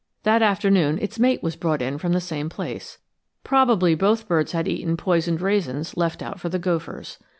That afternoon its mate was brought in from the same place. Probably both birds had eaten poisoned raisins left out for the gophers.